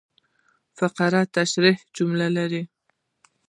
فقره تشریحي جملې لري.